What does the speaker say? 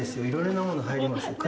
いろいろなもの入ります。